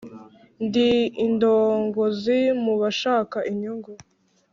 ndi indongozi mu bashaka inyungu,